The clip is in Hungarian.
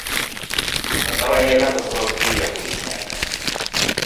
Az aranyérmet az orosz Ilja Kulik nyerte.